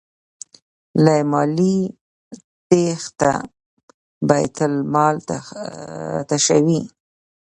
له مالیې تیښته بیت المال تشوي.